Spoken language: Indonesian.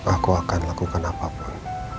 aku akan lakukan apapun